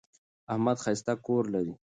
احمد ښایسته کور لري.